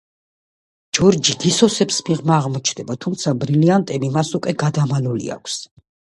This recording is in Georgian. ჯორჯი გისოსებს მიღმა აღმოჩნდება, თუმცა ბრილიანტები მას უკვე გადამალული აქვს.